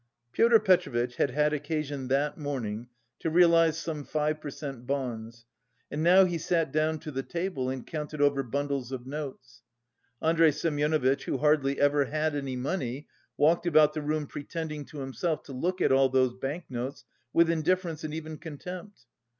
Pyotr Petrovitch had had occasion that morning to realise some five per cent bonds and now he sat down to the table and counted over bundles of notes. Andrey Semyonovitch who hardly ever had any money walked about the room pretending to himself to look at all those bank notes with indifference and even contempt.